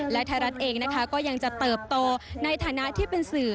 และไทยรัฐเองนะคะก็ยังจะเติบโตในฐานะที่เป็นสื่อ